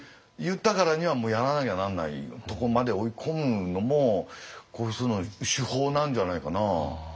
言ったからにはもうやらなきゃなんないとこまで追い込むのもこういう人の手法なんじゃないかな。